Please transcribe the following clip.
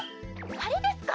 はれですか？